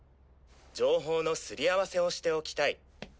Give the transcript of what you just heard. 情報のすり合わせをしておきたい。